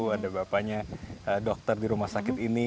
ada bapaknya dokter di rumah sakit ini